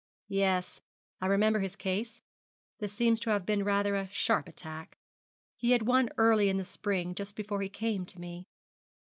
'Yes, I remember his case. This seems to have been rather a sharp attack. He had one early in the spring, just before he came to me.'